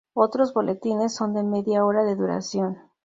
Otros boletines son de media hora de duración.